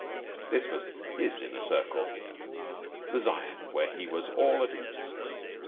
This was his Inner Circle the Zion where he was all at ease.